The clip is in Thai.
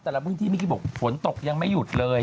แต่ละพื้นที่เมื่อกี้บอกฝนตกยังไม่หยุดเลย